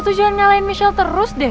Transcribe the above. lo tuh jangan nyalain michelle terus deh